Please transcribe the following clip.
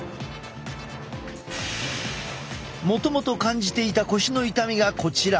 もともと感じていた腰の痛みがこちら。